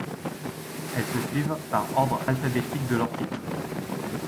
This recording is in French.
Elles se suivent par ordre alphabétique de leurs titres.